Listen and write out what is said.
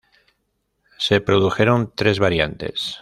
Se produjeron tres variantes.